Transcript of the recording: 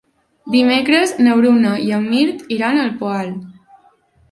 Dimecres na Bruna i en Mirt iran al Poal.